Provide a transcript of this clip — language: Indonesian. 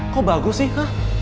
kok bagus sih